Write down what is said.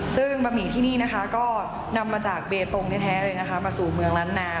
ซึ่งบะหมี่ที่นี่นะคะก็นำมาจากเบตงแท้เลยนะคะมาสู่เมืองล้านนา